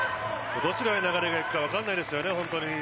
どちらに流れがいくか分からないですね。